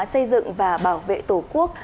xây dựng và bảo vệ tổ quốc